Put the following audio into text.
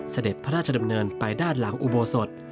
เสด็จพระราชดำเนินไปด้านหลังอุโบสถ